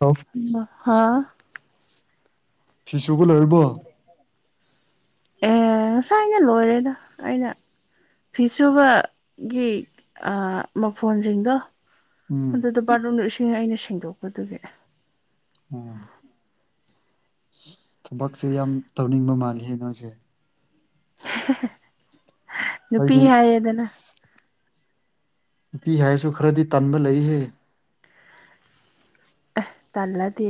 of ꯍꯥ ꯐꯤꯁꯨꯕ ꯂꯣꯏꯔꯕꯣ ꯑꯦ ꯉꯁꯥꯏꯅ ꯂꯣꯏꯔꯦꯗ ꯑꯩꯅ ꯐꯤꯁꯨꯕꯒꯤ ꯑꯥ ꯃꯐꯣꯟꯁꯤꯡꯗꯣ ꯎꯝ ꯑꯗꯨꯗ ꯕꯥꯠꯔꯨꯝꯗ ꯏꯁꯤꯡ ꯑꯩꯅ ꯁꯦꯡꯗꯣꯛꯄꯗꯨꯒꯤ ꯑꫭ ꯊꯕꯛꯁꯦ ꯌꯥꯝ ꯇꯧꯅꯤꯡꯕ ꯃꯥꯜꯂꯤ ꯅꯣꯏꯁꯦ ꯅꯨꯄꯤ ꯑꯩꯗꯤ ꯍꯥꯏꯔ‌ꯦꯗꯅ ꯅꯨꯄꯤ ꯍꯥꯏꯔꯁꯨ ꯈꯔꯗꯤ ꯇꯟꯕ ꯂꯩꯍꯦ ꯑꯦ ꯇꯜꯂꯗꯤ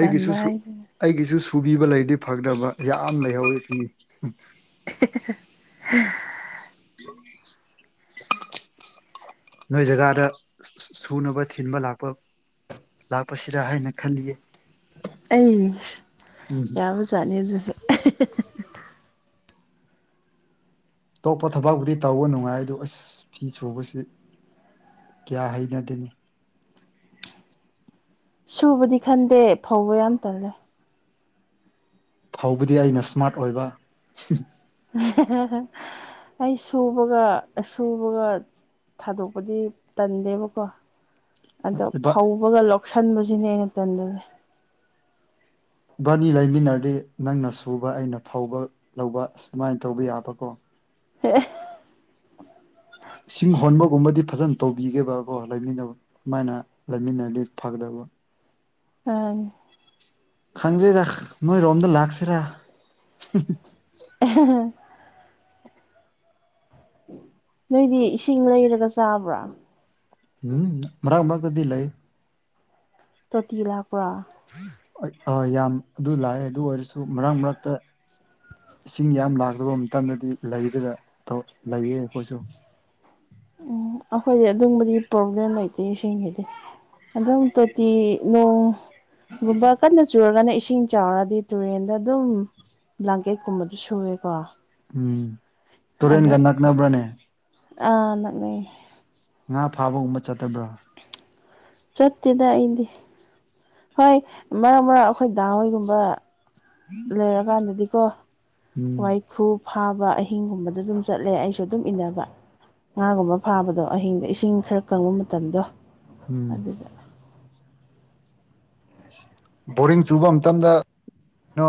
ꯇꯟꯕ ꯍꯥꯏꯗꯨꯅꯤ ꯑꯩꯒꯤꯁꯨꯕꯤꯕ ꯂꯩꯗꯤ ꯐꯒꯗꯕ ꯌꯥꯝ ꯂꯩꯍꯧꯋꯤ ꯐꯤ [unintelligible] ꯅꯣꯏ ꯖꯒꯥꯗ ꯁꯨꯅꯕ ꯊꯤꯟꯕ ꯂꯥꯛꯄ ꯂꯥꯛꯄꯁꯤꯔ ꯍꯥꯏꯅ ꯈꯜꯂꯤꯌꯦ ꯑꯩ ꯎꯝ ꯌꯥꯕ ꯖꯥꯠꯅꯤ ꯑꯗꯨꯁꯨ ꯑꯇꯣꯞꯄ ꯊꯕꯛꯄꯕꯨꯗꯤ ꯇꯧꯕ ꯅꯨꯡꯉꯥꯏ ꯑꯗꯨ ꯑꯁ ꯐꯤ ꯁꯨꯕꯁꯤ ꯀꯌꯥ ꯍꯩꯅꯗꯅꯤ ꯁꯨꯕꯗꯤ ꯈꯟꯗꯦ ꯐꯧꯕ ꯌꯥꯝ ꯇꯜꯂꯦ ꯐꯧꯕꯗꯤ ꯑꯩꯅ ꯁ꯭ꯃꯥꯔꯠ ꯑꯣꯏꯕ ꯑꯩ ꯁꯨꯕꯒ ꯁꯨꯕꯒ ꯊꯥꯗꯣꯛꯄꯗꯤ ꯇꯟꯗꯦꯕꯀꯣ ꯑꯗꯣ ꯐꯧꯕꯒ ꯂꯧꯁꯟꯕꯁꯤꯅꯦ ꯑꯩꯅ ꯇꯟꯗꯨꯅꯦ ꯏꯕꯥꯅꯤ ꯂꯩꯃꯤꯟꯅꯔꯗꯤ ꯅꯪꯅ ꯁꯨꯕ ꯑꯩꯅ ꯐꯧꯕ ꯂꯧꯕ ꯑꯃꯥꯏꯅ ꯇꯧꯕ ꯌꯥꯕꯀꯣ ꯑꯦ ꯏꯁꯤꯡ ꯍꯣꯟꯕꯒꯨꯝꯕꯗꯤ ꯐꯖꯅ ꯇꯧꯕꯤꯒꯦꯕꯀꯣ ꯂꯩꯃꯤꯟꯅꯕ ꯑꯗꯨꯃꯥꯏꯅ ꯂꯩꯃꯤꯟꯅꯗꯤ ꯐꯒꯗꯕ ꯑ ꯈꯪꯗ꯭ꯔꯤꯗ ꯅꯣꯏꯔꯣꯝꯗ ꯂꯥꯛꯁꯤꯔꯥ [unintelligible] ꯅꯣꯏꯗꯤ ꯏꯁꯤꯡ ꯂꯩꯔꯒ ꯆꯥꯕ꯭ꯔꯥ ꯎꯝ ꯃꯔꯛ ꯃꯔꯛꯇꯗꯤ ꯂꯩ ꯇꯣꯇꯤ ꯂꯥꯛꯄꯔ ꯌꯥꯝ ꯑꯗꯨ ꯂꯥꯛꯑꯦ ꯑꯗꯨ ꯑꯣꯏꯔꯁꯨ ꯃꯔꯛ ꯃꯔꯛꯇ ꯏꯁꯤꯡ ꯌꯥꯝ ꯂꯥꯛꯇꯕ ꯃꯇꯝꯗꯗꯤ ꯂꯩꯒꯦꯔ ꯇꯧ ꯂꯩꯌꯦ ꯑꯩꯈꯣꯏꯁꯨ ꯎꯝ ꯑꯩꯈꯣꯏꯗꯤ ꯑꯗꯨꯝꯕꯗꯤ ꯄ꯭ꯔꯣꯕ꯭ꯂꯦꯝ ꯂꯩꯇꯦ ꯏꯁꯤꯡꯒꯤꯗꯤ ꯑꯗꯨꯝ ꯇꯣꯇꯤ ꯅꯣꯡꯒꯨꯝꯕ ꯀꯟꯅ ꯆꯨꯔꯒꯅ ꯏꯁꯤꯡ ꯆꯥꯎꯔꯗꯤ ꯇꯨꯔꯦꯟꯗ ꯑꯗꯨꯝ ꯕ꯭ꯂꯥꯡꯀꯦꯠꯀꯨꯝꯕꯗ ꯁꯨꯔꯦꯀꯣ ꯎꯝ ꯑꯗ ꯇꯨꯔꯦꯟꯒ ꯅꯛꯅꯕ꯭ꯔꯅꯦ ꯑ ꯅꯛꯅꯩꯌꯦ ꯉꯥ ꯐꯥꯕꯒꯨꯝꯕ ꯆꯠꯇꯕ꯭ꯔꯥ ꯆꯠꯇꯦꯗ ꯑꯩꯗꯤ ꯍꯣꯏ ꯃꯔꯛ ꯃꯔꯛ ꯑꯩꯈꯣꯏ ꯗꯥ ꯍꯣꯏꯒꯨꯝꯕ ꯂꯩꯔꯀꯥꯟꯗꯗꯤꯀꯣ ꯎꯝ ꯋꯥꯏ ꯈꯨꯨ ꯐꯥꯕ ꯑꯍꯤꯡꯒꯨꯝꯕꯗ ꯑꯗꯨꯝ ꯆꯠꯂꯦ ꯑꯩꯁꯨ ꯑꯗꯨꯝ ꯏꯟꯅꯕ ꯉꯥꯒꯨꯝꯕ ꯐꯥꯕꯗꯣ ꯑꯍꯤꯡꯗ ꯏꯁꯤꯡ ꯈꯔ ꯀꯪꯕ ꯃꯇꯝꯗꯣ ꯎꯝ ꯑꯗꯨꯗ ꯕꯣꯔꯤꯡ ꯆꯨꯕ ꯃꯇꯝꯗ ꯅꯣ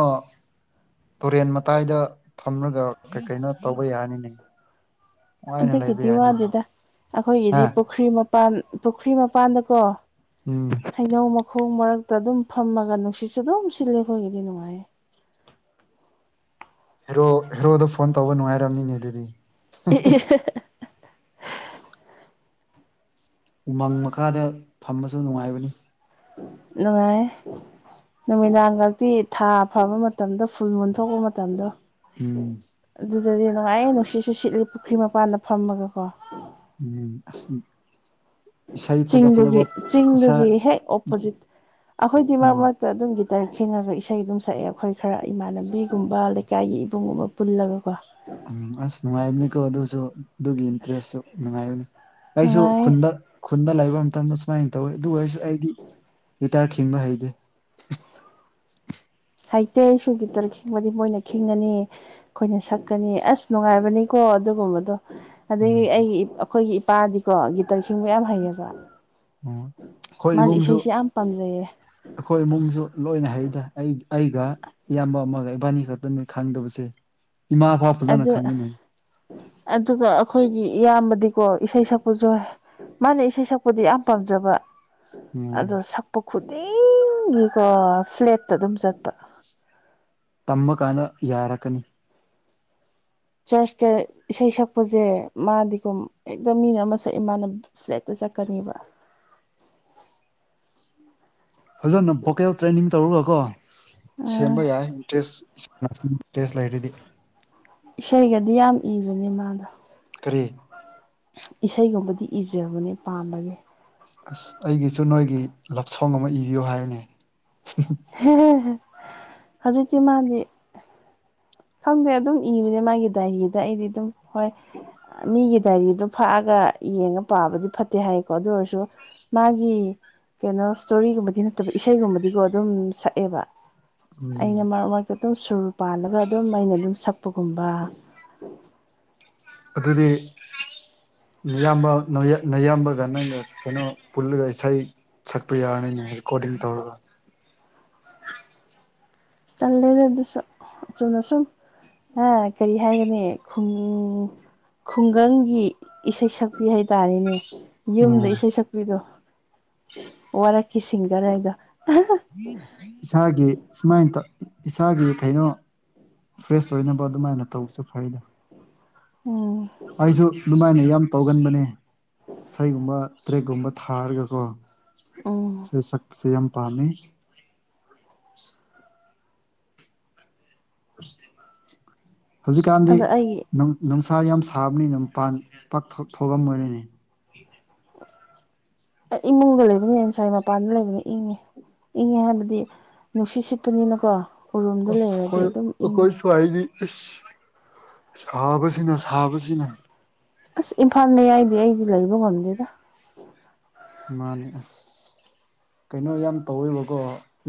ꯇꯣꯔꯦꯟ ꯃꯇꯥꯏꯗ ꯐꯝꯔꯒ ꯀꯩ ꯀꯩꯅꯣ ꯇꯧꯕ ꯌꯥꯅꯤꯅꯦ ꯅꯨꯡꯉꯥꯏꯅ ꯂꯩꯕ ꯑꯗꯨꯒꯤꯗꯤ ꯌꯥꯅꯤꯅꯦ ꯋꯥꯗꯦꯗ ꯍꯥ ꯑꯈꯣꯏꯒꯤꯗꯤ ꯄꯨꯈ꯭ꯔꯤ ꯃꯄꯥꯟ ꯄꯨꯈ꯭ꯔꯤ ꯃꯄꯥꯟꯗꯀꯣ ꯎꯝ ꯍꯩꯅꯧ ꯃꯈꯣꯡ ꯃꯔꯛꯇ ꯑꯗꯨꯝ ꯐꯝꯃꯒ ꯅꯨꯡꯁꯤꯠꯁꯨ ꯑꯗꯨꯝ ꯁꯤꯠꯂꯦ ꯑꯩꯈꯣꯏꯒꯤꯗꯤ ꯅꯨꯡꯉꯥꯏꯌꯦ ꯍꯦꯔꯣ ꯍꯦꯔꯣꯗ ꯐꯣꯟ ꯇꯧꯕ ꯅꯨꯡꯉꯥꯏꯔꯝꯅꯤꯅꯦ ꯑꯗꯨꯗꯤ [unintelligible] ꯎꯃꯪ ꯃꯈꯥꯗ ꯐꯝꯕꯁꯨ ꯅꯨꯡꯉꯥꯏꯕꯅꯤ ꯅꯨꯡꯉꯥꯏꯌꯦ ꯅꯨꯃꯤꯗꯥꯡꯒꯛꯇꯤ ꯊꯥ ꯐꯕ ꯃꯇꯝꯗꯣ ꯐꯨꯜ ꯃꯨꯟ ꯊꯣꯛꯄ ꯃꯇꯝꯗꯣ ꯎꯝ ꯑꯗꯨꯗꯗꯤ ꯅꯨꯡꯉꯥꯏꯌꯦ ꯅꯨꯡꯁꯤꯠꯁꯨ ꯁꯤꯠꯂꯤ ꯄꯨꯈ꯭ꯔꯤ ꯃꯄꯥꯟꯗ ꯐꯝꯃꯒꯀꯣ ꯎꯝ ꯑꯁ ꯏꯁꯩ ꯐꯖ ꯆꯤꯡꯗꯨꯒꯤ ꯐꯖꯕ ꯏꯁꯥ ꯆꯤꯡꯗꯨꯒꯤ ꯍꯦꯛ ꯑꯣꯄꯣꯖꯤꯠ ꯑꯩꯈꯣꯏꯗꯤ ꯃꯔꯛ ꯎꯝ ꯃꯔꯛ ꯇ ꯑꯗꯨꯝ ꯒꯤꯇꯔ ꯈꯤꯡꯉꯒ ꯏꯁꯩ ꯑꯗꯨꯝ ꯁꯛꯑꯦ ꯑꯩꯈꯣꯏ ꯈꯔ ꯏꯃꯥꯟꯅꯕꯤꯒꯨꯝꯕ ꯂꯩꯀꯥꯏꯒꯤ ꯏꯕꯨꯡꯒꯨꯝꯕ ꯄꯨꯜꯂꯒꯀꯣ ꯎꯝ ꯑꯁ ꯅꯨꯡꯉꯥꯏꯕꯅꯤꯀꯣ ꯑꯗꯨꯁꯨ ꯑꯗꯨꯒꯤ ꯑꯁ ꯏꯟꯇ꯭ꯔꯦꯁꯁꯨ ꯅꯨꯡꯉꯥꯏꯕꯅꯤ ꯑꯩꯁꯨ ꯅꯨꯡꯉꯥꯏ ꯈꯨꯟꯗ ꯈꯨꯟꯗ ꯂꯩꯕ ꯃꯇꯝꯗ ꯁꯨꯃꯥꯏꯅ ꯇꯧꯋꯦ ꯑꯗꯨ ꯑꯣꯏꯔꯁꯨ ꯑꯩꯗꯤ ꯒꯤꯇꯔ ꯈꯤꯡꯕ ꯍꯩꯗꯦ ꯍꯩꯇꯦ ꯑꯩꯁꯨ ꯒꯤꯇꯔ ꯈꯤꯡꯕꯗꯤ ꯃꯣꯏꯅ ꯈꯤꯡꯒꯅꯤ ꯑꯩꯈꯣꯏꯅ ꯁꯛꯀꯅꯤ ꯑꯁ ꯅꯨꯡꯉꯥꯏꯕꯅꯤꯀꯣ ꯑꯗꯨꯒꯨꯝꯕꯗꯣ ꯑꯗꯒꯤ ꯎꯝ ꯑꯩꯒꯤ ꯏ ꯑꯩꯈꯣꯏꯒꯤ ꯏꯄꯥꯗꯤꯀꯣ ꯒꯤꯇꯔ ꯈꯤꯡꯕ ꯌꯥꯝ ꯍꯩꯌꯦꯕ ꯑꯣ ꯈꯣꯏ ꯃꯥꯁꯨ ꯏꯃꯨꯡꯁꯨ ꯏꯁꯩꯁꯦ ꯌꯥꯝ ꯄꯥꯝꯖꯩꯌꯦ ꯑꯈꯣꯏ ꯏꯃꯨꯡꯁꯨ ꯂꯣꯏꯅ ꯍꯩꯗ ꯑꯩ ꯑꯩꯒ ꯏꯌꯥꯝꯕ ꯑꯃꯒ ꯏꯕꯥꯟꯅꯤ ꯈꯛꯇꯅꯦ ꯈꯪꯗꯕꯁꯦ ꯏꯃꯥ ꯐꯥꯎ ꯑꯗꯨ ꯐꯖꯟꯅ ꯈꯪꯉꯤꯅꯦ ꯑꯗꯨꯒ ꯑꯩꯈꯣꯏꯒꯤ ꯏꯌꯥꯝꯕꯗꯤꯀꯣ ꯏꯁꯩ ꯁꯛꯄꯁꯨ ꯃꯥꯅ ꯏꯁꯩ ꯁꯛꯄꯗꯤ ꯌꯥꯝ ꯄꯥꯝꯖꯕ ꯎꯝ ꯑꯗꯣ ꯁꯛꯄ ꯈꯨꯗꯤꯡꯒꯤꯀꯣ ꯐ꯭ꯂꯦꯠꯇ ꯑꯗꯨꯝ ꯆꯠꯄ ꯇꯝꯃ ꯀꯥꯟꯗ ꯌꯥꯔꯛꯀꯅꯤ ꯆꯔꯁꯇ ꯏꯁꯩ ꯁꯛꯄꯁꯦ ꯃꯥꯗꯤꯒꯨꯝ ꯍꯦꯛꯇ ꯃꯤꯅ ꯑꯃ ꯁꯛꯑꯦ ꯃꯥꯅ ꯐ꯭ꯂꯦꯠꯇ ꯆꯠꯀꯅꯤꯕ ꯐꯖꯟꯅ ꯚꯣꯀꯦꯜ ꯇ꯭ꯔꯦꯅꯤꯡ ꯇꯧꯔꯒꯀꯣ ꯁꯦꯝꯕ ꯌꯥꯏ ꯏꯟꯇ꯭ꯔꯦꯁ [unintelligible] ꯇꯦꯁ ꯂꯩꯔꯗꯤ ꯏꯁꯩꯒꯗꯤ ꯌꯥꯝ ꯏꯕꯅꯦ ꯃꯥꯗꯣ ꯀꯔꯤ ꯏꯁꯩꯒꯨꯝꯕꯗꯤ ꯏꯖꯕꯅꯦ ꯄꯥꯝꯕꯅꯦ ꯑꯥꯁ ꯑꯩꯒꯤꯁꯨ ꯅꯣꯏꯒꯤ ꯂꯞ ꯁꯣꯡ ꯑꯃ ꯏꯕꯤꯌꯨ ꯍꯥꯏꯌꯨꯅꯦ ꯍꯤꯍꯦ ꯍꯦ ꯍꯧꯖꯤꯛꯇꯤ ꯃꯥꯗꯤ ꯈꯪꯗꯦ ꯑꯗꯨꯝ ꯏꯕꯅꯦ ꯃꯥꯒꯤ ꯗꯥꯏꯔꯤꯗ ꯑꯩꯗꯤ ꯑꯗꯨꯝ ꯍꯣꯏ ꯃꯤꯒꯤ ꯗꯥꯏꯔꯤꯗꯨ ꯐꯥꯛꯑꯒ ꯌꯦꯡꯉ ꯄꯥꯕꯗꯤ ꯐꯠꯇꯦ ꯍꯥꯏꯌꯦꯀꯣ ꯑꯗꯨ ꯑꯣꯏꯔꯁꯨ ꯃꯥꯒꯤ ꯀꯩꯅꯣ ꯏꯁꯇꯣꯔꯤꯒꯨꯝꯕꯗꯤ ꯅꯠꯇꯕ ꯏꯁꯩꯒꯨꯝꯕꯗꯤꯀꯣ ꯑꯗꯨꯝ ꯁꯛꯑꯦꯕ ꯎꯝ ꯑꯩꯅ ꯃꯔꯛ-ꯃꯔꯛꯇ ꯑꯗꯨꯝ ꯁꯨꯔ ꯄꯥꯜꯂꯒ ꯑꯗꯨꯝ ꯑꯩꯅ ꯑꯗꯨꯝ ꯁꯛꯄꯒꯨꯝꯕ ꯑꯗꯨꯗꯤ ꯅꯌꯥꯝꯕ ꯅꯌꯥꯝꯕꯒ ꯅꯪꯅ ꯀꯩꯅꯣ ꯄꯨꯜꯂꯒ ꯏꯁꯩ ꯁꯛꯄ ꯌꯥꯔꯅꯤꯅꯦ ꯔꯦꯀꯣꯔꯗꯤꯡ ꯇꯧꯔꯒ ꯇꯜꯂꯦꯗ ꯑꯗꯨꯁꯨ ꯆꯨꯝꯅꯁꯨꯝ ꯍꯥ ꯀꯔꯤ ꯍꯥꯏꯒꯅꯤ ꯈꯨꯝ ꯃꯨ ꯈꯨꯡꯒꯪꯒꯤ ꯏꯁꯩ ꯁꯛꯄꯤ ꯍꯥꯏꯇꯥꯔꯦꯅꯦ ꯌꯨꯝꯗ ꯎꯝ ꯏꯁꯩ ꯁꯛꯄꯤꯗꯣ ꯋꯥꯔꯛꯀꯤ ꯁꯤꯡꯒꯔ ꯍꯥꯏꯗꯣ ꯏꯁꯥꯒꯤ ꯁꯨꯃꯥꯏꯅ ꯇꯧ ꯏꯁꯥꯒꯤ ꯀꯩꯅꯣ ꯐ꯭ꯔꯦꯁ ꯑꯣꯏꯅꯕ ꯑꯗꯨꯃꯥꯏꯅ ꯇꯧꯕꯁꯨ ꯐꯩꯗ ꯎꯪ ꯑꯩꯖꯨ ꯑꯗꯨꯃꯥꯏꯅ ꯌꯥꯝ ꯇꯧꯒꯟꯕꯅꯦ ꯏꯁꯩꯒꯨꯝꯕ ꯇ꯭ꯔꯦꯛꯀꯨꯝꯕ ꯊꯥꯔꯒꯀꯣ ꯑꯣꯑꯣ ꯑꯗꯣ ꯁꯛꯄꯁꯦ ꯌꯥꯝ ꯄꯥꯝꯃꯤ ꯍꯨꯖꯤꯛꯀꯥꯟꯗꯤ ꯑꯗ ꯑꯩꯒꯤ ꯅꯨꯡ ꯅꯨꯡꯁꯥ ꯌꯥꯝ ꯁꯥꯕꯅꯤꯅ ꯃꯄꯥꯟ ꯄꯥꯛ ꯊꯣꯛ ꯊꯣꯛꯑꯝꯃꯔꯣꯏꯅꯦ ꯏꯃꯨꯡꯗ ꯂꯩꯕꯅ ꯍꯦꯟ ꯁꯥꯏ ꯃꯄꯥꯟꯗ ꯂꯩꯕꯅ ꯏꯪꯉꯦ ꯏꯪꯉꯦ ꯍꯥꯏꯕꯗꯤ ꯅꯨꯡꯁꯤꯠ ꯁꯤꯠꯄꯅꯤꯅꯀꯣ ꯎꯔꯨꯝꯗ ꯑꯁ ꯂꯩꯔꯗꯤ ꯑꯩꯈꯣꯏ ꯑꯗꯨꯝ ꯏꯪꯉꯤ ꯑꯩꯈꯣꯏ ꯁ꯭ꯋꯥꯏꯗꯤ ꯏꯁ ꯁꯥꯕꯖꯤꯅ ꯁꯥꯕꯖꯤꯅ ꯑꯥꯁ ꯏꯝꯐꯥꯜ ꯃꯌꯥꯏꯗꯤ ꯑꯩꯗꯤ ꯂꯩꯕ ꯉꯝꯗꯦꯗ ꯃꯥꯟꯅꯦ ꯑꯁ ꯀꯩꯅꯣ ꯌꯥꯝ ꯇꯧꯋꯦꯕꯀꯣ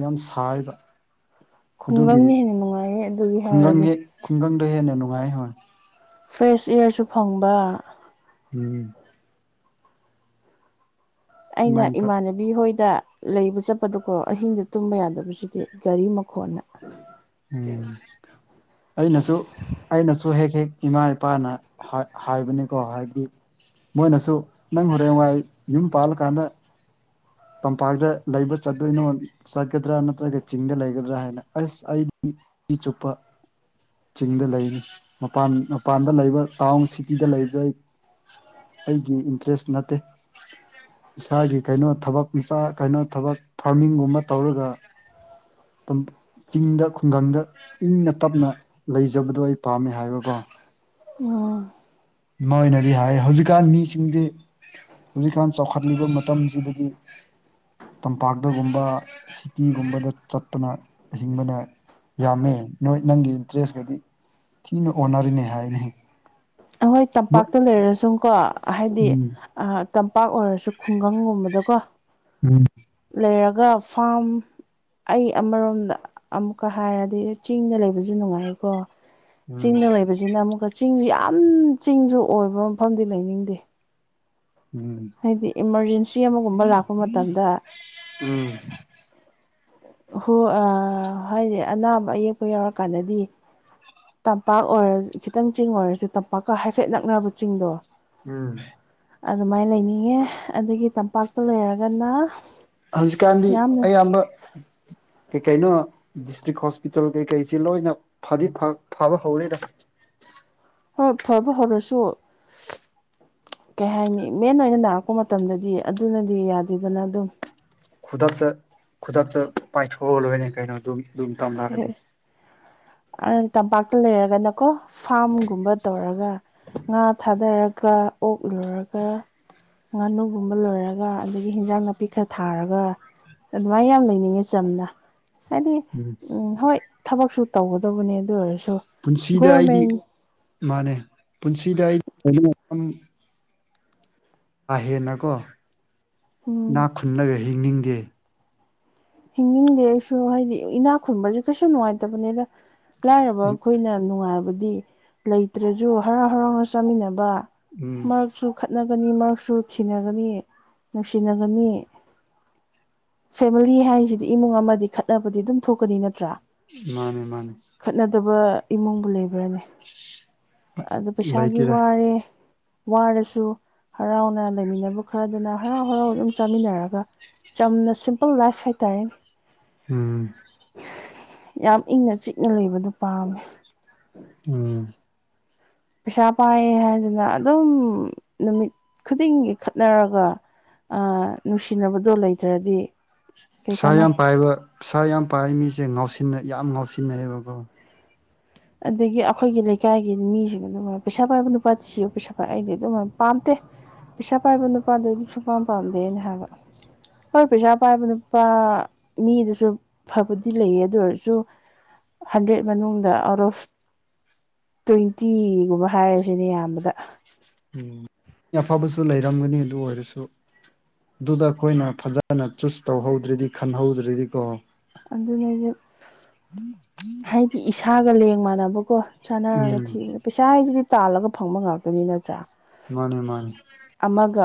ꯌꯥꯝ ꯁꯥꯏꯑꯦꯕ ꯈꯨꯡꯒꯪꯅ ꯍꯦꯟꯅ ꯅꯨꯡꯉꯥꯏꯌꯦ ꯑꯗꯨꯒꯤ ꯈꯨꯡꯒꯪ ꯍꯥꯏꯔꯗꯤ ꯍꯦꯛ ꯈꯨꯡꯒꯪꯗ ꯍꯦꯟꯅ ꯅꯨꯡꯉꯥꯏꯌꯦ ꯍꯣꯏ ꯐ꯭ꯔꯦꯁ ꯏꯌꯥꯔꯁꯨ ꯐꯪꯕ INAUDIBLE ꯑꯩꯅ ꯑꯗꯨꯃꯥꯏꯅ ꯇꯧ ꯏꯃꯥꯟꯅ ꯕꯤꯍꯣꯏꯗ ꯂꯩꯕ ꯆꯠꯄꯗꯀꯣ ꯑꯍꯤꯡꯗ ꯇꯨꯝꯕ ꯌꯥꯗꯕꯁꯤꯗꯤ ꯒꯥꯔꯤ ꯃꯈꯣꯟꯅ ꯎꯪ ꯑꯩꯅꯖꯨ ꯑꯩꯅꯁꯨ ꯍꯦꯛ ꯍꯦꯛ ꯏꯃꯥ ꯏꯄꯥꯅ ꯍꯥꯏ ꯍꯥꯏꯕꯅꯤꯀꯣ ꯍꯥꯏꯗꯤ ꯃꯣꯏꯅꯁꯨ ꯅꯪ ꯍꯣꯔꯦꯟꯋꯥꯏ ꯌꯨꯝ ꯄꯥꯜꯂꯀꯥꯟꯗ ꯇꯝꯄꯥꯛꯇ ꯂꯩꯕ ꯆꯠꯇꯣꯏꯅꯣ ꯆꯠꯀꯗ꯭ꯔꯥ ꯅꯠꯇ꯭ꯔꯒ ꯆꯤꯡꯗ ꯂꯩꯒꯗ꯭ꯔꯥ ꯍꯥꯏꯅ ꯑꯥꯁ ꯑꯩ ꯏꯆꯨꯞꯄ ꯆꯤꯡꯗ ꯂꯩꯅꯤ ꯃꯄꯥꯟ ꯃꯄꯥꯟꯗ ꯂꯩꯕ ꯇꯥꯎꯟ ꯁꯤꯇꯤꯗ ꯂꯩꯕꯗꯣ ꯑꯩ ꯑꯩꯒꯤ ꯏꯟꯇ꯭ꯔꯦꯁ ꯅꯠꯇꯦ ꯏꯁꯥꯒꯤ ꯀꯩꯅꯣ ꯊꯕꯛ ꯃꯤꯆꯥ ꯀꯩꯅꯣ ꯊꯕꯛ ꯐꯥꯔꯃꯤꯡꯒꯨꯝꯕ ꯇꯧꯔꯒ ꯇꯨꯝ ꯆꯤꯡꯗ ꯈꯨꯡꯒꯪꯗ ꯏꯪꯅ ꯇꯞꯅ ꯂꯩꯖꯕꯗꯣ ꯑꯩ ꯄꯥꯝꯃꯦ ꯍꯥꯏꯕꯀꯣ ꯎꯝ ꯃꯣꯏꯅꯗꯤ ꯍꯥꯏꯌꯦ ꯍꯧꯖꯤꯛꯀꯥꯟ ꯃꯤꯁꯤꯡꯗꯤ ꯍꯧꯖꯤꯛꯀꯥꯟ ꯆꯥꯎꯈꯠꯂꯤꯕ ꯃꯇꯝꯁꯤꯗꯗꯤ ꯇꯝꯄꯥꯛꯇꯒꯨꯝꯕ ꯁꯤꯇꯤꯒꯨꯝꯕꯗ ꯆꯠꯇꯅ ꯍꯤꯡꯕꯗ ꯌꯥꯝꯃꯦ ꯅꯣꯏ ꯅꯪꯒꯤ ꯏꯟꯇꯔꯦꯁꯀꯗꯤ ꯊꯤꯅ ꯑꯣꯟꯅꯔꯅꯤ ꯍꯥꯏꯅꯦ ꯑꯩꯈꯣꯏ ꯎꯝ ꯇꯝꯄꯥꯛꯇ ꯂꯩꯔꯁꯨꯝꯀꯣ ꯍꯥꯏꯗꯤ ꯎꯝ ꯑꯥ ꯇꯝꯄꯥꯛ ꯑꯣꯏꯔꯁꯨ ꯈꯨꯡꯒꯪꯒꯨꯝꯕꯗꯀꯣ ꯎꯝ ꯂꯩꯔꯒ ꯐꯥꯝ ꯑꯩ ꯑꯃꯔꯣꯝꯗ ꯑꯃꯨꯛꯀ ꯍꯥꯏꯔꯗꯤ ꯆꯤꯡꯗ ꯂꯩꯕꯖꯨ ꯅꯨꯡꯉꯥꯏꯀꯣ ꯆꯤꯡꯗ ꯂꯩꯕꯁꯤꯅ ꯑꯃꯨꯛꯀ ꯆꯤꯡꯁꯨ ꯌꯥꯝ ꯆꯤꯡꯁꯨ ꯑꯣꯏꯕ ꯃꯐꯝꯗꯤ ꯂꯩꯅꯤꯡꯗꯦ ꯎꯝ ꯎꯝ ꯍꯥꯏꯗꯤ ꯏꯃꯔꯖꯦꯟꯁꯤ ꯑꯃꯒꯨꯝꯕ ꯂꯥꯛꯄ ꯃꯇꯝꯗ ꯎꯝ ꯍꯣ ꯑꯥ ꯍꯥꯏꯗꯤ ꯑꯅꯥꯕ ꯑꯌꯦꯛꯄ ꯌꯥꯎꯔꯀꯥꯟꯗꯗꯤ ꯇꯝꯄꯥꯛ ꯑꯣꯏꯔ ꯈꯤꯇꯪ ꯆꯤꯡ ꯑꯣꯏꯔꯁꯨ ꯇꯝꯄꯥꯛꯀ ꯍꯥꯏꯐꯦꯠ ꯅꯛꯅꯕ ꯆꯤꯡꯗꯣ ꯎꯝ ꯑꯗꯨꯃꯥꯏꯅ ꯂꯩꯅꯤꯡꯉꯦ ꯑꯗꯒꯤ ꯇꯝꯄꯥꯛꯇ ꯂꯩꯔꯒꯅꯥ ꯍꯧꯖꯤꯛꯀꯥꯟꯗꯤ ꯑꯌꯥꯝꯕ ꯀꯩ ꯀꯩꯅꯣ ꯗꯤꯁꯇ꯭ꯔꯤꯛ ꯍꯣꯁꯄꯤꯇꯥꯜ ꯀꯩꯀꯩꯁꯤ ꯂꯣꯏꯅ ꯐꯗꯤ ꯐ ꯐꯕ ꯍꯧꯔꯦꯗ ꯍꯣꯏ ꯐꯕ ꯍꯧꯔꯁꯨ ꯀꯩ ꯍꯥꯏꯅꯤ ꯃꯦꯟ ꯑꯣꯏꯅ ꯅꯥꯔꯛꯄ ꯃꯇꯝꯗꯗꯤ ꯑꯗꯨꯅꯗꯤ ꯌꯥꯗꯦꯗꯅ ꯑꯗꯨꯝ ꯈꯨꯗꯛꯇ ꯈꯨꯗꯛꯇ ꯄꯥꯏꯊꯣꯛꯑ ꯂꯣꯏꯔꯦꯅꯦ ꯀꯩꯅꯣ ꯑꯗꯨ ꯑꯗꯨ ꯃꯇꯝ ꯂꯥꯛꯑꯗꯤ ꯑꯥ ꯇꯝꯄꯥꯛꯇ ꯂꯩꯔꯒꯅꯀꯣ ꯐꯥꯝꯒꯨꯝꯕ ꯇꯧꯔꯒ ꯉꯥ ꯊꯥꯗꯔꯒ ꯑꯣꯛ ꯂꯣꯏꯔꯒ ꯉꯥꯅꯨꯒꯨꯝꯕ ꯂꯣꯢꯔꯒ ꯑꯗꯒꯤ ꯍꯤꯟꯖꯥꯡ ꯅꯥꯄꯤ ꯈꯔ ꯊꯥꯔꯒ ꯑꯗꯨꯃꯥꯏꯅ ꯌꯥꯝ ꯂꯩꯅꯤꯡꯉꯦ ꯆꯝꯅ ꯍꯥꯏꯗꯤ ꯎꯝ ꯎꯝ ꯍꯣꯏ ꯊꯕꯛꯁꯨ ꯇꯧꯒꯗꯧꯕꯅꯦ ꯑꯗꯨ ꯑꯣꯏꯔꯁꯨ ꯄꯨꯟꯁꯤꯗ ꯑꯩꯗꯤ ꯒꯣꯔꯃꯦꯟ ꯃꯥꯅꯦ ꯄꯨꯟꯁꯤꯗ ꯑꯩꯗꯤ ꯊꯕꯛ ꯃꯐꯝ ꯀꯥ ꯍꯦꯟꯅꯀꯣ ꯎꯝ ꯏꯅꯥꯛ ꯈꯨꯟꯅꯒ ꯍꯤꯡꯅꯤꯡꯗꯦ ꯍꯤꯡꯅꯤꯡꯗꯦ ꯑꯩꯁꯨ ꯍꯥꯏꯗꯤ ꯏꯅꯥꯛ ꯈꯨꯟꯕꯁꯦ ꯀꯩꯁꯨ ꯅꯨꯡꯉꯥꯏꯇꯕꯅꯦꯗ ꯂꯥꯏꯔꯕ ꯎꯝ ꯑꯩꯈꯣꯏꯅ ꯅꯨꯡꯉꯥꯏꯕꯗꯤ ꯂꯩꯇ꯭ꯔꯁꯨ ꯍꯔꯥꯎ ꯍꯔꯥꯎꯅ ꯆꯥꯃꯤꯟꯅꯕ ꯎꯝ ꯃꯔꯛꯁꯨ ꯈꯠꯅꯒꯅꯤ ꯃꯔꯛꯁꯨ ꯊꯤꯅꯒꯅꯤ ꯅꯨꯡꯁꯤꯅꯒꯅꯤ ꯐꯦꯃꯤꯂꯤ ꯍꯥꯏꯁꯤꯗꯤ ꯏꯃꯨꯡ ꯑꯃꯗꯤ ꯈꯠꯅꯕꯗꯤ ꯑꯗꯨꯝ ꯊꯣꯛꯀꯅꯤ ꯅꯠꯇ꯭ꯔꯥ ꯃꯥꯅꯦ ꯃꯥꯅꯦ ꯈꯠꯅꯗꯕ ꯏꯃꯨꯡꯕꯨ ꯂꯩꯕ꯭ꯔꯣꯅꯦ ꯑꯗ ꯄꯩꯁꯥꯒꯤ ꯂꯩꯇꯦꯗ ꯋꯥꯔꯦ ꯋꯥꯔꯁꯨ ꯍꯔꯥꯎꯅ ꯂꯩꯃꯤꯟꯅꯕ ꯈꯔꯗꯨꯅ ꯍꯔꯥꯎ ꯍꯔꯥꯎ ꯑꯗꯨꯝ ꯆꯥꯃꯤꯟꯅꯔꯒ ꯆꯝꯅ ꯁꯤꯝꯄꯜ ꯂꯥꯏꯐ ꯍꯥꯏꯇꯥꯔꯦꯅꯦ ꯎꯝ ꯌꯥꯝ ꯏꯪꯅ ꯆꯤꯛꯅ ꯂꯩꯕꯗꯨ ꯄꯥꯝꯃꯦ ꯎꯝ ꯄꯩꯁꯥ ꯄꯥꯏꯌꯦ ꯍꯥꯏꯗꯅ ꯑꯗꯨꯝ ꯅꯨꯃꯤꯠ ꯈꯨꯗꯤꯡꯒꯤ ꯈꯠꯅꯔꯒ ꯑꯥ ꯅꯨꯡꯁꯤꯅꯕꯗꯣ ꯂꯩꯇ꯭ꯔꯗꯤ ꯀꯩ ꯄꯤꯁꯥ ꯀꯥꯟꯅꯩ ꯌꯥꯝ ꯄꯥꯏꯕ ꯄꯤꯁꯥ ꯌꯥꯝ ꯄꯥꯏꯕ ꯃꯤꯁꯦ ꯉꯥꯎꯁꯤꯟꯅ ꯌꯥꯝ ꯉꯥꯎꯁꯤꯟꯅꯩꯌꯦꯕꯀꯣ ꯑꯗꯒꯤ ꯑꯈꯣꯏꯒꯤ ꯂꯩꯀꯥꯏꯒꯤ ꯃꯤꯁꯤꯡ ꯑꯗꯨ ꯄꯩꯁꯥ ꯄꯥꯏꯕ ꯅꯨꯄꯥꯊꯤꯌꯣ ꯄꯩꯁꯥ ꯄꯥꯏ ꯑꯩꯗꯤ ꯑꯗꯨꯝ ꯍꯥꯏꯕꯅꯤ ꯄꯥꯝꯇꯦ ꯄꯩꯁꯥ ꯄꯥꯏꯕ ꯅꯨꯄꯥꯗꯣ ꯑꯩꯗꯤ ꯁꯨꯄꯥꯝ ꯄꯥꯝꯗꯦꯅ ꯍꯥꯏꯕ ꯍꯣꯏ ꯄꯩꯁꯥ ꯄꯥꯏꯕ ꯅꯨꯄꯥ ꯃꯤꯗꯁꯨ ꯐꯕꯗꯤ ꯂꯩꯌꯦ ꯑꯗꯨ ꯑꯣꯏꯔꯁꯨ ꯍꯟꯗ꯭ꯔꯦꯠ ꯃꯅꯨꯡꯗ ꯑꯥꯎꯠ ꯑꯣꯐ ꯇ꯭ꯋꯦꯟꯇꯤꯒꯨꯝꯕ ꯍꯥꯏꯔꯖꯤꯅꯦ ꯌꯥꯝꯕꯗ ꯎꯝ ꯌꯥꯐꯕꯁꯨ ꯂꯩꯔꯝꯒꯅꯤ ꯑꯗꯨ ꯑꯣꯏꯔꯁꯨ ꯗꯨꯗ ꯈꯣꯏꯅ ꯐꯖꯅ ꯆꯨꯁ ꯇꯧꯍꯧꯗ꯭ꯔꯗꯤ ꯈꯟꯍꯧꯗ꯭ꯔꯗꯤꯀꯣ ꯑꯗꯨꯅꯦꯗꯨ ꯍꯥꯏꯗꯤ ꯏꯁꯥꯒ ꯂꯦꯡ ꯃꯥꯟꯅꯕꯀꯣ ꯁꯥꯟꯅꯔꯒ ꯎꯝ ꯊꯤꯕꯗ ꯄꯩꯁꯥ ꯍꯥꯏꯖꯤꯗꯤ ꯇꯥꯜꯂꯒ ꯐꯪꯕ ꯉꯥꯛꯇꯅꯤ ꯅꯠꯇ꯭ꯔꯥ ꯃꯥꯅꯦ ꯃꯥꯅꯦ ꯑꯃꯒ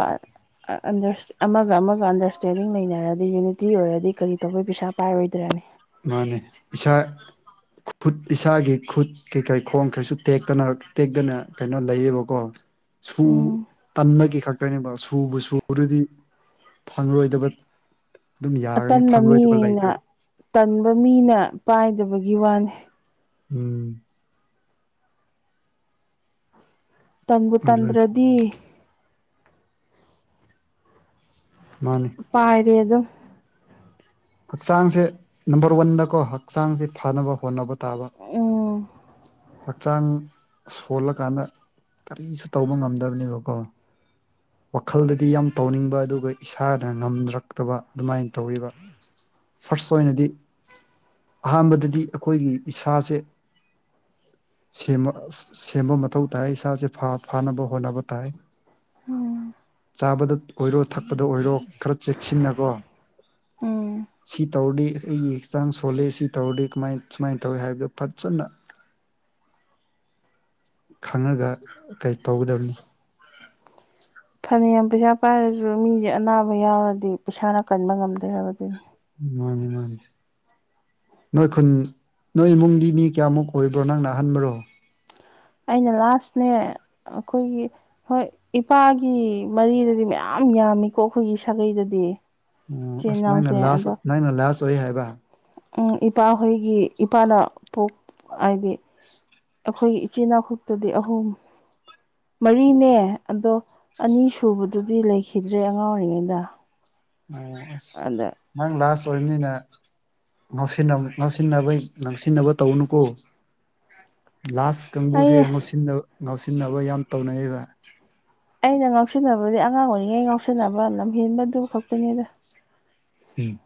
ꯑꯥ ꯑꯟꯗꯔꯥꯁ ꯑꯃꯒ ꯑꯃꯒ ꯑꯟꯗꯔꯁꯇꯦꯟꯗꯤꯡ ꯂꯩꯅꯔꯗꯤ ꯌꯨꯅꯤꯇꯤ ꯑꯣꯏꯔꯗꯤ ꯀꯔꯤ ꯇꯧꯕꯩ ꯄꯩꯁꯥ ꯄꯥꯏꯔꯣꯏꯗ꯭ꯔꯅꯦ ꯃꯥꯅꯦ ꯏꯁꯥ ꯐꯨꯠ ꯏꯁꯥꯒꯤ ꯈꯨꯠ ꯀꯩ ꯀꯩ ꯈꯣꯡ ꯀꯩꯁꯨ ꯇꯦꯛꯇꯅ ꯇꯦꯛꯇꯅ ꯀꯩꯅꯣ ꯂꯩꯌꯦꯕꯀꯣ ꯁꯨ ꯎꯝ ꯇꯟꯕꯒꯤ ꯈꯛꯇꯅꯦꯕ ꯁꯨꯕꯨ ꯁꯨꯔꯗꯤ ꯐꯪꯂꯣꯏꯗꯕ ꯑꯗꯨꯝ ꯌꯥꯒꯅꯤ ꯑꯇꯟꯕ ꯐꯪꯔꯣꯏꯗꯕ ꯃꯤꯅ ꯂꯩꯔꯣꯏ ꯇꯟꯕ ꯃꯤꯅ ꯄꯥꯏꯗꯕꯒꯤ ꯋꯥꯅꯤ ꯎꯝ ꯇꯟꯕꯨ ꯑꯗꯨꯅꯤ ꯇꯟꯗ꯭ꯔꯗꯤ ꯃꯥꯅꯤ ꯄꯥꯏꯔꯤ ꯑꯗꯨꯝ ꯍꯛꯆꯥꯡꯁꯦ ꯅꯝꯕꯔ ꯋꯥꯟꯗꯀꯣ ꯍꯛꯆꯥꯡꯖꯦ ꯐꯅꯕ ꯍꯣꯠꯅꯕ ꯇꯥꯕ ꯎꯝ ꯍꯛꯆꯥꯡ ꯁꯣꯜꯂꯀꯥꯟꯗ ꯀꯔꯤꯁꯨ ꯇꯧꯕ ꯉꯝꯗꯕꯅꯦꯕꯀꯣ ꯋꯥꯈꯜꯗꯗꯤ ꯌꯥꯝ ꯇꯧꯅꯤꯡꯕ ꯑꯗꯨꯒ ꯏꯁꯥꯅ ꯉꯝꯅꯔꯛꯇꯕ ꯑꯗꯨꯃꯥꯏ ꯇꯧꯋꯦꯕ ꯐꯥꯔꯁ ꯑꯣꯏꯅꯗꯤ ꯑꯍꯥꯟꯕꯗꯗꯤ ꯑꯈꯣꯏꯒꯤ ꯏꯁꯥꯁꯦ ꯁꯦꯝꯕ ꯁꯦꯝꯕ ꯃꯊꯧ ꯇꯥꯏ ꯏꯁꯥꯁꯦ ꯐꯥ ꯐꯥꯅꯕ ꯍꯣꯠꯅꯕ ꯇꯥꯏ ꯎꯝ ꯆꯥꯕꯗ ꯑꯣꯏꯔꯣ ꯊꯛꯄꯗ ꯑꯣꯏꯔꯣ ꯈꯔ ꯆꯦꯛꯁꯤꯟꯅꯀꯣ ꯎꯝ ꯁꯤ ꯇꯧꯔꯗꯤ ꯑꯩꯒꯤ ꯍꯛꯆꯥꯡ ꯁꯣꯜꯂꯦ ꯁꯤ ꯇꯧꯔꯗꯤ ꯀꯃꯥꯏ ꯁꯨꯃꯥꯏ ꯇꯧꯏ ꯍꯥꯏꯕꯗꯨ ꯐꯖꯅ ꯈꯪꯉꯒ ꯀꯩ ꯇꯧꯒꯗꯕꯅꯤ ꯐꯅꯤꯌꯥꯝ ꯄꯩꯁꯥ ꯄꯥꯏꯔꯖꯨ ꯃꯤꯖꯦ ꯑꯅꯥꯕ ꯌꯥꯎꯔꯗꯤ ꯄꯩꯁꯥꯅ ꯀꯟꯕ ꯉꯝꯗꯦ ꯍꯥꯏꯕꯗꯨꯅꯤ ꯃꯥꯅꯤ ꯃꯥꯅꯤ ꯅꯣꯏ ꯈꯨꯟ ꯅꯣꯏ ꯏꯃꯨꯡꯗꯤ ꯃꯤ ꯀꯌꯥꯃꯨꯛ ꯑꯣꯏꯕ꯭ꯔꯣ ꯅꯪꯅ ꯑꯍꯟꯕꯔꯣ ꯑꯩꯅ ꯂꯥꯁꯅꯦ ꯑꯈꯣꯏꯒꯤ ꯍꯣꯏ ꯏꯄꯥꯒꯤ ꯃꯔꯤꯗꯗꯤ ꯃꯌꯥꯝ ꯌꯥꯝꯃꯤꯀꯣ ꯑꯈꯣꯏꯒꯤ ꯁꯥꯒꯩꯗꯗꯤ ꯑꯣ ꯏꯆꯤꯜ ꯑꯁ ꯅꯪꯅ ꯏꯅꯥꯎꯁꯦ ꯂꯥꯁ ꯑꯗꯣ ꯅꯪꯅ ꯂꯥꯁ ꯑꯣꯏ ꯍꯥꯏꯕ ꯎꯝ ꯏꯄꯥꯍꯣꯏꯒꯤ ꯏꯄꯥꯅ ꯄꯣꯛ ꯍꯥꯏꯗꯤ ꯑꯈꯣꯏꯒꯤ ꯏꯆꯤꯟ ꯏꯅꯥꯎ ꯈꯛꯇꯗꯤ ꯑꯍꯨꯝ ꯃꯔꯤꯅꯦ ꯑꯗꯣ ꯑꯅꯤ ꯁꯨꯕꯗꯨꯗꯤ ꯂꯩꯈꯤꯗ꯭ꯔꯦ ꯑꯉꯥꯡ ꯑꯣꯏꯔꯤꯉꯩꯗ [unintelligible] ꯑꯥꯗ ꯅꯪ ꯂꯥꯁ ꯑꯣꯏꯕꯅꯤꯅ ꯉꯥꯎꯁꯤꯟꯕ ꯉꯥꯎꯁꯤꯟꯅꯕꯩ ꯂꯥꯡꯁꯤꯟꯅꯕ ꯇꯧꯅꯨꯀꯣ ꯂꯥꯁ ꯑꯩ ꯀꯥꯡꯕꯨꯁꯦ ꯉꯥꯎꯁꯤꯟꯅꯕ ꯉꯥꯎꯁꯤꯟꯅꯕ ꯌꯥꯝ ꯇꯧꯅꯩꯌꯦꯕ ꯑꯩꯅ ꯉꯥꯎꯁꯟꯅꯕꯗꯤ ꯑꯉꯥꯡ ꯑꯣꯏꯔꯤꯉꯩ ꯉꯥꯎꯁꯤꯟꯅꯕ ꯂꯝꯍꯦꯟꯕꯗꯨ ꯈꯛꯇꯅꯦꯗ ꯎꯝ